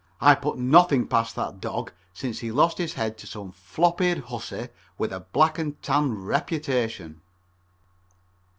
I put nothing past that dog since he lost his head to some flop eared huzzy with a black and tan reputation.